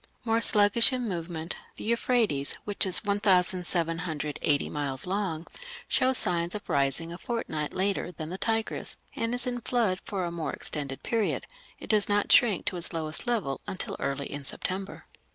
More sluggish in movement, the Euphrates, which is 1780 miles long, shows signs of rising a fortnight later than the Tigris, and is in flood for a more extended period; it does not shrink to its lowest level until early in September.